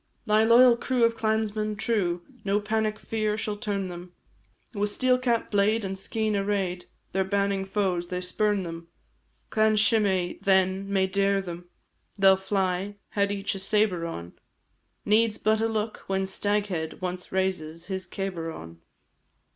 Thy loyal crew of clansmen true, No panic fear shall turn them, With steel cap, blade, and skene array'd, Their banning foes they spurn them. Clan Shimei then may dare them, They 'll fly, had each a sabre on, Needs but a look when Staghead Once raises his cabar on.